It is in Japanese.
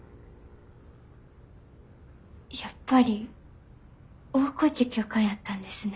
やっぱり大河内教官やったんですね。